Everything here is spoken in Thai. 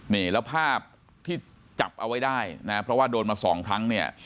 นี่แล้วภาพที่จับเอาไว้ได้นะเพราะว่าโดนมาสองครั้งเนี่ย